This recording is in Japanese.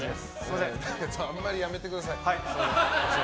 あんまりやめてください。